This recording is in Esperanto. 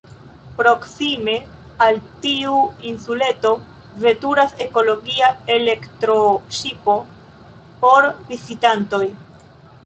Proksime al tiu insuleto veturas ekologia elektroŝipo por vizitantoj.